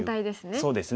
そうですね。